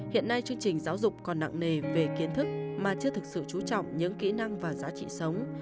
hiện nay chương trình giáo dục còn nặng nề về kiến thức mà chưa thực sự trú trọng những kỹ năng và giá trị sống